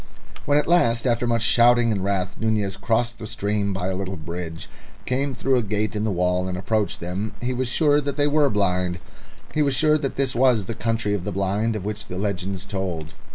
When at last, after much shouting and wrath, Nunez crossed the stream by a little bridge, came through a gate in the wall, and approached them, he was sure that they were blind. He was sure that this was the Country of the Blind of which the legends told.